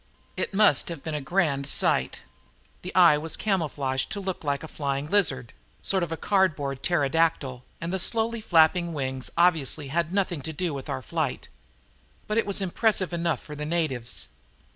It must have been a grand sight. The eye was camouflaged to look like a flying lizard, sort of a cardboard pterodactyl, and the slowly flapping wings obviously had nothing to do with our flight. But it was impressive enough for the natives.